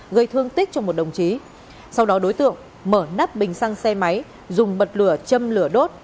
gây thương tích cho một đồng chí sau đó đối tượng mở nắp bình xăng xe máy dùng bật lửa châm lửa đốt